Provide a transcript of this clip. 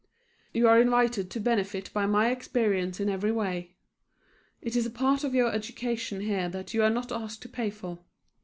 You are invited to benefit by my experience in every way. It is a part of your education here that you are not asked to pay for.